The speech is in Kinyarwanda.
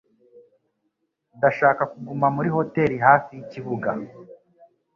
Ndashaka kuguma muri hoteri hafi yikibuga.